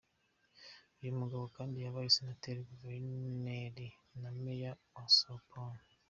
Uyu mugabo kandi yabaye Senateri, Guverineri na Meya wa São Paulo.